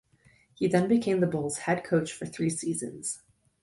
He then became the Bulls' head coach for three seasons.